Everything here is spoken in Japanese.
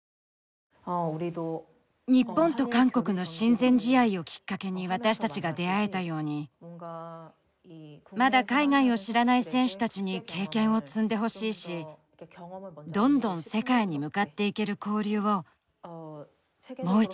日本と韓国の親善試合をきっかけに私たちが出会えたようにまだ海外を知らない選手たちに経験を積んでほしいしどんどん世界に向かっていける交流をもう一度作ってみたい。